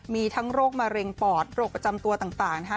มีทั้งโรคมะเร็งปอดโรคประจำตัวต่างนะคะ